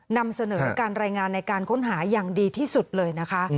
นำเสนอการรายงานในการค้นหาอย่างดีที่สุดเลยนะคะ